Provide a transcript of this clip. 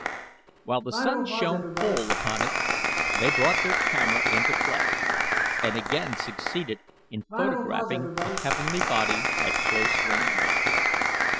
While the sun shone full upon it they brought their camera into play, and again succeeded in photographing a heavenly body at close range.